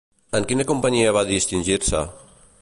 En quina companyia va distingir-se?